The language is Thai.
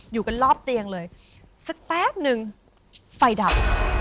อยู่กันรอบเตียงเลยสักแป๊บนึงไฟดับ